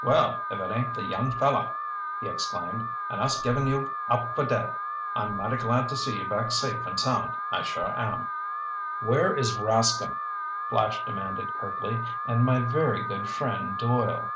"Well, if it ain't the young feller!" he exclaimed. "And us givin' you up fer dead! I'm mighty glad to see you back safe and sound, I sure am!" "Where is Rascomb?" Flash demanded curtly. "And my very good friend, Doyle?"